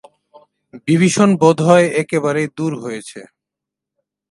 বিভীষণ বোধহয় একেবারেই দূর হয়েছে।